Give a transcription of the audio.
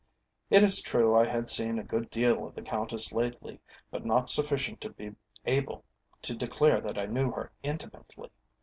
It is true I had seen a good deal of the Countess lately, but not sufficient to be able to declare that I knew her intimately.